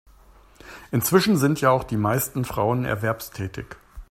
Inzwischen sind ja auch die meisten Frauen erwerbstätig.